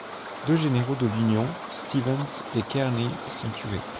Deux généraux de l'Union, Stevens et Kearny, sont tués.